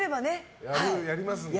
やりますんでね。